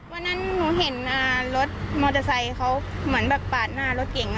วันนั้นหนูเห็นรถมอเตอร์ไซค์เขาเหมือนแบบปาดหน้ารถเก่ง